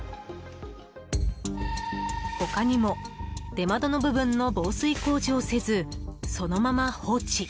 他にも出窓の部分の防水工事をせず、そのまま放置。